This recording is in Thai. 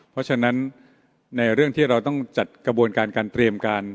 เพราะฉะนั้นในเรื่องที่เราต้องจัดกระบวนการการเตรียมการ